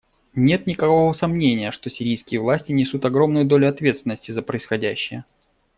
Нет никакого сомнения, что сирийские власти несут огромную долю ответственности за происходящее.